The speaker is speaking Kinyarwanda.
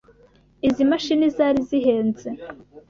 Izi mashini zari zihenze.